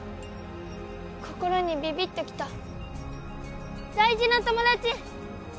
心にビビッときた大事な友達。